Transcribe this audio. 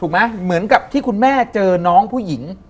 เหมือนกับที่คุณแม่เจอน้องผู้หญิง